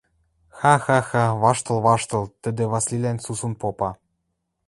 Ха-ха-ха! – ваштыл-ваштыл, тӹдӹ Васлилӓн сусун попа.